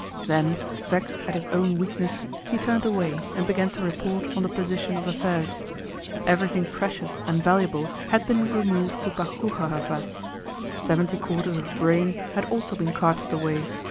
Then, vexed at his own weakness, he turned away and began to report on the position of affairs. Everything precious and valuable had been removed to Boguchárovo. Seventy quarters of grain had also been carted away.